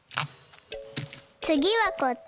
つぎはこっち。